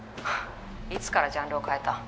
「いつからジャンルを変えた？」